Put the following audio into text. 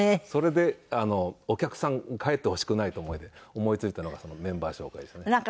それでお客さん帰ってほしくないという思いで思いついたのがメンバー紹介ですね。